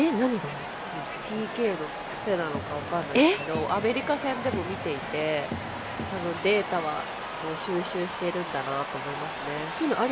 ＰＫの癖なのか分からないんですけどアメリカ戦でも見ていてデータは収集してるんだなと思います。